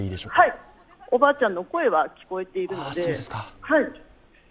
はい、おばあちゃんの声は聞こえていますので。